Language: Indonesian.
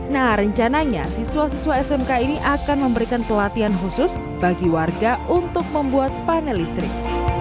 nah rencananya siswa siswa smk ini akan memberikan pelatihan khusus bagi warga untuk membuat panel listrik